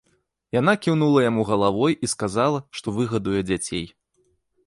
Яна кіўнула яму галавой і сказала, што выгадуе дзяцей.